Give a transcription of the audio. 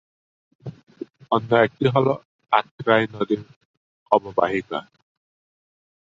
অন্য একটি হলো আত্রাই নদীর অববাহিকা।